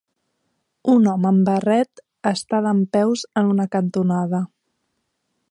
Un home amb barret està dempeus en una cantonada.